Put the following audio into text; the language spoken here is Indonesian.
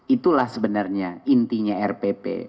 itulah sebenarnya intinya rpp